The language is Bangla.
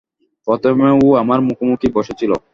প্রথমে ও আমার মুখোমুখিই বসে ছিল।